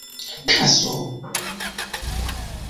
taso